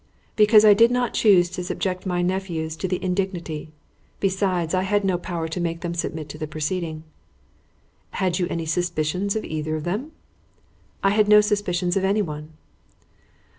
"Because I did not choose to subject my nephews to the indignity. Besides, I had no power to make them submit to the proceeding." "Had you any suspicions of either of them?" "I had no suspicions of anyone."